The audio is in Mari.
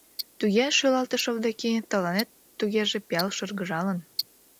— Туге, — шӱлалтыш Овдаки, — тыланет тугеже пиал шыргыжалын...